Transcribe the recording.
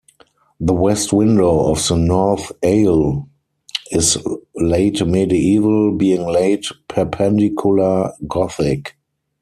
The west window of the north aisle is late medieval, being late Perpendicular Gothic.